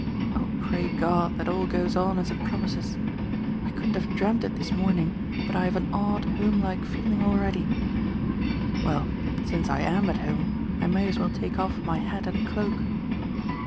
Oh, pray God that all goes on as it promises! I couldn't have dreamt it this morning, but I have an odd, homelike feeling already. Well, since I AM at home I may as well take off my hat and cloak."